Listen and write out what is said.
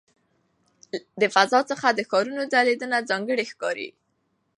د فضا څخه د ښارونو ځلېدنه ځانګړې ښکاري.